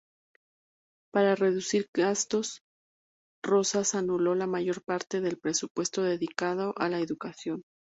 Para reducir gastos, Rosas anuló la mayor parte del presupuesto dedicado a la educación.